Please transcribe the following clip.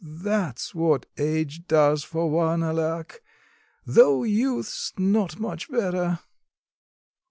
That's what age does for one, alack though youth's not much better."